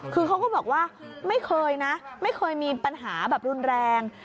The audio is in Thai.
คือเขาก็บอกว่าไม่เคยนะไม่เคยมีปัญหาแบบรุนแรง